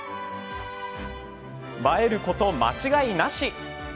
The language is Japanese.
映えること間違いなし！